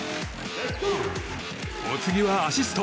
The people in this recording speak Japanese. お次はアシスト。